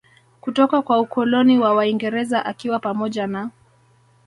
kutoka kwa Ukoloni wa waingereza akiwa pamoja na